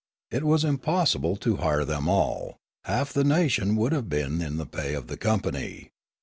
It was impossible to hire them all ; half the nation would have been in the pay of the compau}